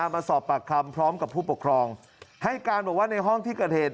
มาสอบปากคำพร้อมกับผู้ปกครองให้การบอกว่าในห้องที่เกิดเหตุ